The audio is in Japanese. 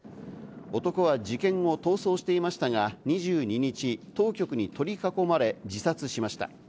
男は事件後、逃走していましたが、２２日、当局に取り囲まれ、自殺しました。